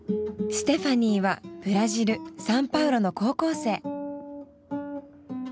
ステファニーはブラジル・サンパウロの高校生。